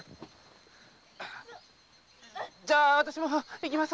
じゃあ私も行きます。